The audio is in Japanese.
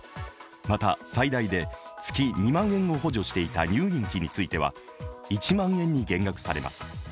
また、最大で月２万円を補助していた入院費については１万円に減額されます。